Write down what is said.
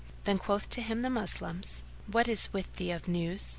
Then quoth to him the Moslems, "What is with thee of news?"